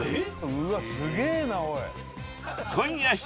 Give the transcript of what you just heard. うわっすげえなおい！